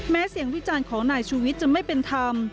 แม้เสียงวิจาณของนายชูวิชจะไม่เป็นธรรม